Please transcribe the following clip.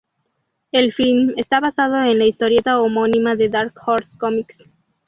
El film está basado en la historieta homónima de Dark Horse Comics.